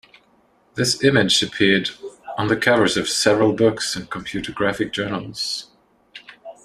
This image appeared on the covers of several books and computer graphic journals.